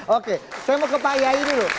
oke saya mau ke pak yai dulu